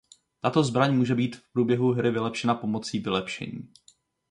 Tato zbraň může být v průběhu hry vylepšena pomocí "vylepšení".